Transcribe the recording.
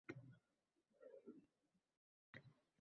“Sizning kallangiz ishlamaydi?”